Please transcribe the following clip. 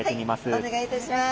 はいお願いいたします。